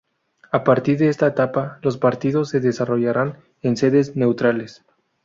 A partir de esta etapa, los partidos se desarrollarán en sedes neutrales.